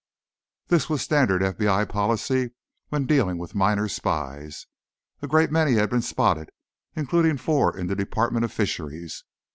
This was standard FBI policy when dealing with minor spies. A great many had been spotted, including four in the Department of Fisheries.